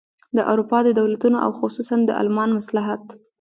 د اروپا د دولتونو او خصوصاً د المان مصلحت.